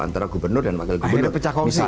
antara gubernur dan wakil gubernur